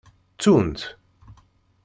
Ttun-tt.